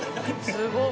すごい。